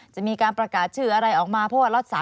จะมีการประกาศชื่ออะไรออกมาเพราะว่ารักษา